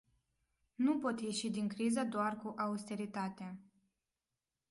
Nu pot ieși din criză doar cu austeritate.